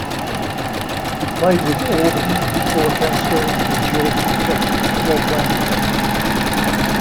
He played with Auburn before transferring to Georgia Tech for more playing time.